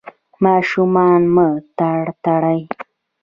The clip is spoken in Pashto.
ماشومان مه ترټئ.